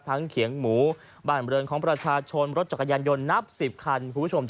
ทั้งเขียงหมูบ้านบริเวณของประชาชนรถจักรยานยนต์นับ๑๐คัน